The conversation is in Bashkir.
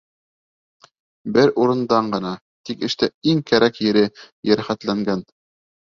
Бер урындан ғына, тик эштә иң кәрәк ере йәрәхәтләнгән.